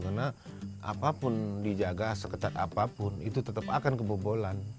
karena apapun dijaga sekecat apapun itu tetap akan kebobolan